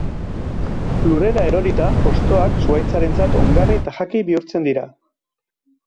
Lurrera erorita, hostoak zuhaitzarentzat ongarri eta jaki bihurtzen dira.